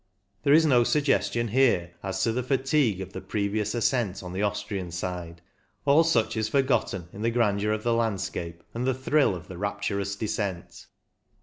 There is no suggestion here as to the " fatigue *' of the previous ascent on the Austrian side ; all such is forgotten in the grandeur of the landscape and the thrill of the rapturous descent.